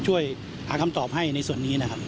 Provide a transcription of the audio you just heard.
ช่วยหาคำตอบให้ในส่วนนี้นะครับ